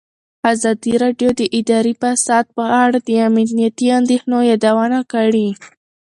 ازادي راډیو د اداري فساد په اړه د امنیتي اندېښنو یادونه کړې.